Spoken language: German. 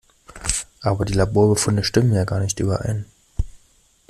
Aber die Laborbefunde stimmen ja gar nicht überein.